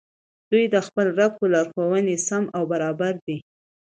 دوى د خپل رب په لارښووني سم او برابر دي